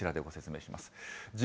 例えば、こちらでご説明します。